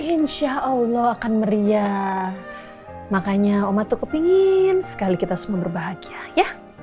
insya allah akan meriah makanya oma cukup ingin sekali kita semua berbahagia ya